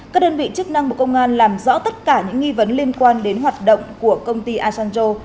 các đơn vị chức năng bộ công an làm rõ tất cả những nghi vấn liên quan đến hoạt động của công ty asanjo